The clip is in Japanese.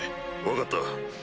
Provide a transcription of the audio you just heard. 分かった。